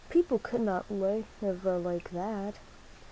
People could not live like that."